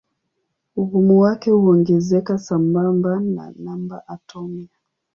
Ugumu wake huongezeka sambamba na namba atomia.